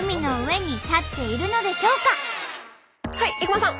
はい生駒さん！